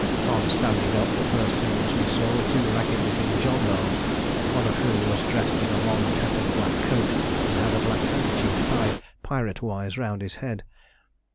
On standing up, the first things we saw were two ragged looking gendarmes, one of whom was dressed in a long tattered black coat, and had a black handkerchief tied pirate wise round his head.